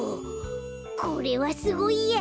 これはすごいや！